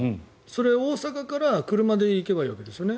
それ、大阪から車で行けばいいですよね。